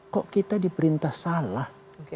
kok kita diperintah salah